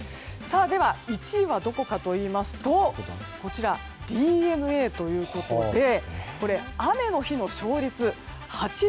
では、１位はどこかといいますとこちらＤｅＮＡということで雨の日の勝率８３％。